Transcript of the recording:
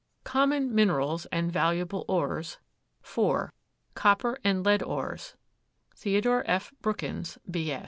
_ COMMON MINERALS AND VALUABLE ORES. IV. COPPER AND LEAD ORES. THEO. F. BROOKINS, B.